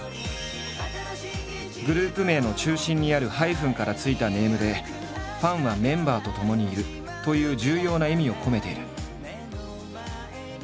グループ名の中心にあるハイフンから付いたネームで「ファンはメンバーとともにいる」という重要な意味を込めている。